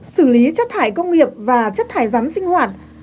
xử lý chất thải công nghiệp và chất thải rắn sinh hoạt